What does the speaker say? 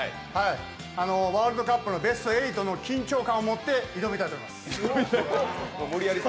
ワールドカップのベスト８の緊張感を持って挑みたいと思います！